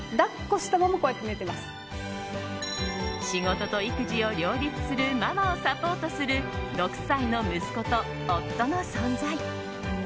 仕事と育児を両立するママをサポートする６歳の息子と夫の存在。